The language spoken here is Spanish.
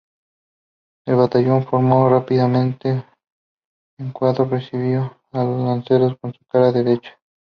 El batallón formó rápidamente en cuadro recibiendo a los lanceros con su cara derecha.